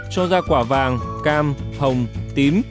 cho ra quả vàng cam hồng tím